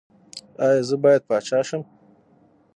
ایا زه باید پاچا شم؟